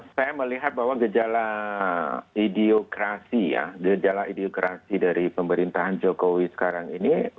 saya melihat bahwa gejala ideokrasi ya gejala ideokrasi dari pemerintahan jokowi sekarang ini